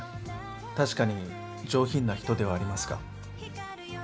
確かに上品な人ではありますが。